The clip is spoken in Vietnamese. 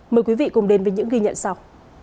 mời quý vị cùng đến với những ghi nhận sau